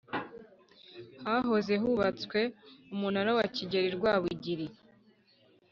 Hahoze hubatswe umurwa wa Kigeri Rwabugili.